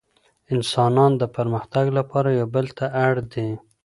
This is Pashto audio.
انسانان د پرمختګ لپاره يو بل ته اړ دي.